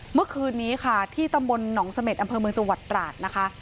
เมื่อคืนนี้ค่ะที่ตำบลหนองเสม็ดอำเภอเมืองจังหวัดตราดนะคะ